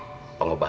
kamu kan udah dewasa